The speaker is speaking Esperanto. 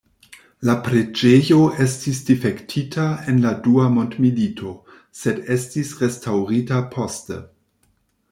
La preĝejo estis difektita en la dua mondmilito, sed estis restaŭrita poste.